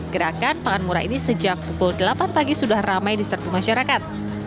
gerakan pangan mura ini sejak pukul delapan pagi sudah ramai di serbu masyarakat